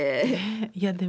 いやでも。